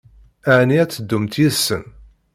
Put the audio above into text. Ɛni ad teddumt yid-sen?